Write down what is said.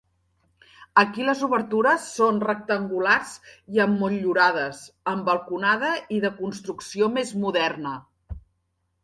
Aquí les obertures són rectangulars i emmotllurades, amb balconada i de construcció més moderna.